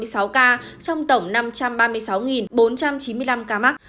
trong tổng năm trăm ba mươi sáu bốn trăm chín mươi năm ca mắc